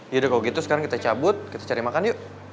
yaudah kalau gitu sekarang kita cabut kita cari makan yuk